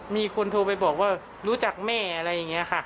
มีคนโทรไปบอกว่ารู้จักแม่อะไรอย่างนี้ค่ะ